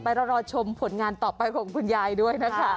เรารอชมผลงานต่อไปของคุณยายด้วยนะคะ